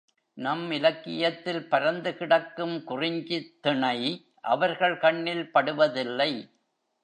நம் இலக்கியத்தில் பரந்து கிடக்கும் குறிஞ்சித் திணை அவர்கள் கண்ணில் படுவதில்லை.